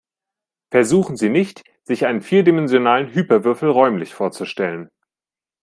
Versuchen Sie nicht, sich einen vierdimensionalen Hyperwürfel räumlich vorzustellen.